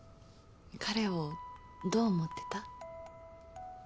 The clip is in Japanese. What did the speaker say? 彼をどう思ってた？